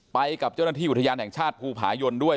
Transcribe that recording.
ไปกับเจ้าหน้าที่อุทยานแห่งชาติภูผายนด้วย